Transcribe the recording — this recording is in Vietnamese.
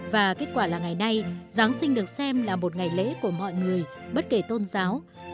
và kết quả là ngày nay giáng sinh được xem là một ngày lễ của mọi người bất kể tôn giáo